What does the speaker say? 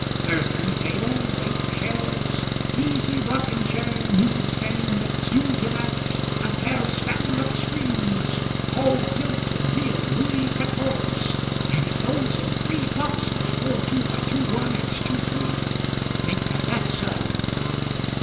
There's three tables, eight chairs, easy rocking chair, music stand, stool to match, and pair of stand up screens, all gilt in real Louey catorse; and it goes in three boxes 4 2 by 2 1 and 2 3. Think of that, sir.